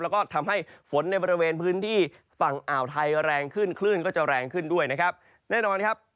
แล้วก็ทำให้ฝนในบริเวณพื้นที่ฝั่งอ่าวไทยแรงขึ้นคลื่นก็จะแรงขึ้นด้วยนะครับแน่นอนครับ